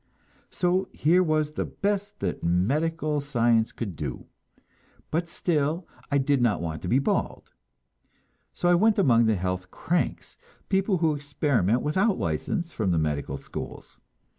So here was the best that medical science could do. But still, I did not want to be bald, so I went among the health cranks people who experiment without license from the medical schools.